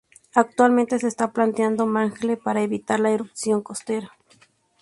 Actualmente se está plantando mangle par evitar la erosión costera.